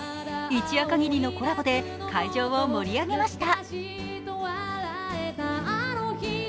一夜限りのコラボで会場を盛り上げました。